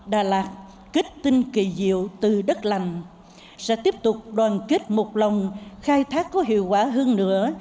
đà lạt kết tinh kỳ diệu từ đất lành sẽ tiếp tục đoàn kết một lòng khai thác có hiệu quả hơn nữa